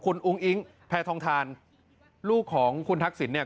คุณอุ้งอิ๊งแพทองทานลูกของคุณทักษิณเนี่ย